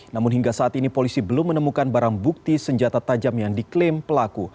namun hingga saat ini polisi belum menemukan barang bukti senjata tajam yang diklaim pelaku